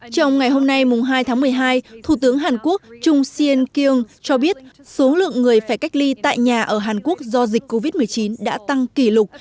trong ngày hôm nay hai tháng một mươi hai thủ tướng hàn quốc trung siên kyung cho biết số lượng người phải cách ly tại nhà ở hàn quốc do dịch covid một mươi chín đã tăng kỷ lục